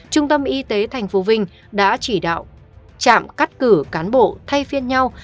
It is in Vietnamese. trung tâm y tế tp vinh đã chỉ đạo trạm cắt cử cán bộ thay phiên nhau